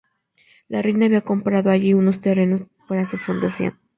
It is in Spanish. La reina había comprado allí unos terrenos para su fundación.